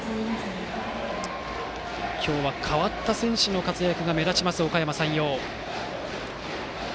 今日は代わった選手の活躍が目立つ、おかやま山陽。